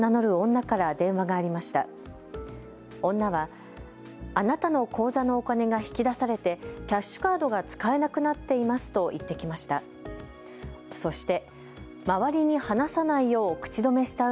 女はあなたの口座のお金が引き出されてキャッシュカードが使えなくなっていますと言ってきました。